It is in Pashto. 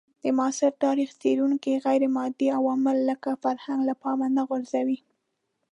د معاصر تاریخ څېړونکي غیرمادي عوامل لکه فرهنګ له پامه نه غورځوي.